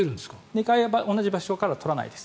２回同じ場所から取らないです。